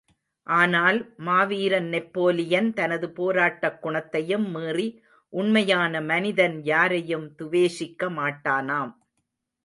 ஆனால், மாவீரன் நெப்போலியன், தனது போராட்டக் குணத்தையும் மீறி, உண்மையான மனிதன் யாரையும் துவேஷிக்க மாட்டானாம்.